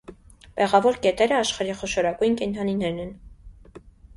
Բեղավոր կետերը աշխարհի խոշորագույն կենդանիներն են։